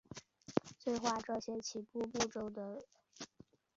催化这起始步骤的酵素是二磷酸核酮糖羧化酶。